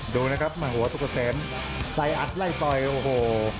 ดูนะครับมาหัวสุกเกษมใส่อัดไล่ต่อยโอ้โห